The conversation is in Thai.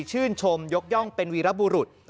ชื่นชมยกย่องเป็นวีรบุรุษ